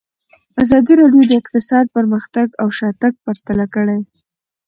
ازادي راډیو د اقتصاد پرمختګ او شاتګ پرتله کړی.